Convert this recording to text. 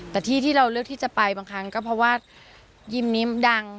แต่ที่ที่เราเลือกที่จะไปบางครั้งก็เพราะว่ายิมนี้มันดัง